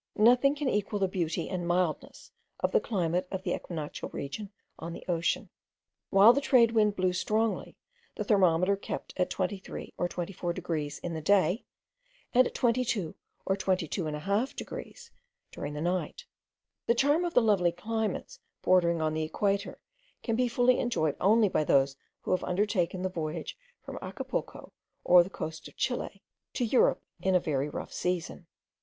Nothing can equal the beauty and mildness of the climate of the equinoctial region on the ocean. While the trade wind blew strongly, the thermometer kept at 23 or 24 degrees in the day, and at 22 or 22.5 degrees during the night. The charm of the lovely climates bordering on the equator, can be fully enjoyed only by those who have undertaken the voyage from Acapulco or the coasts of Chile to Europe in a very rough season.